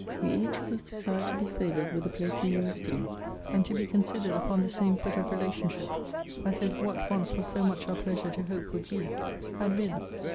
We each of us desire to be favoured with a place in your esteem; and to be considered upon the same foot of relationship as if what once was so much our pleasure to hope would be, had been.